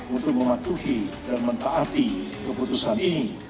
untuk mematuhi dan mentaati keputusan ini